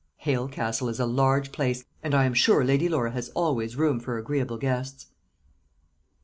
"Hale Castle is a large place, and I am sure Lady Laura has always room for agreeable guests."